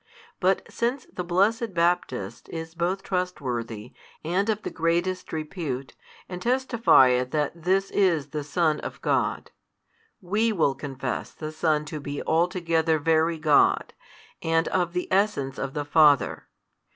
But since the blessed Baptist is both trustworthy, and of the greatest repute, and testifieth that This is the Son of God: we will confess the Son to be altogether Very God, and of the Essence of the Father.